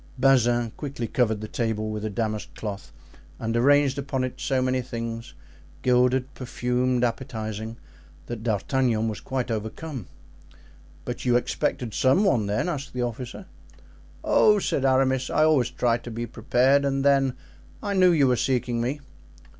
Bazin quickly covered the table with a damask cloth and arranged upon it so many things, gilded, perfumed, appetizing, that D'Artagnan was quite overcome. "But you expected some one then?" asked the officer. "Oh," said Aramis, "I always try to be prepared; and then I knew you were seeking me."